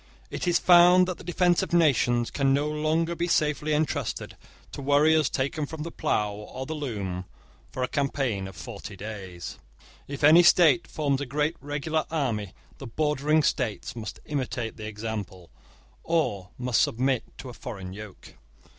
It is found that the defence of nations can no longer be safely entrusted to warriors taken from the plough or the loom for a campaign of forty days. If any state forms a great regular army, the bordering states must imitate the example, or must submit to a foreign yoke.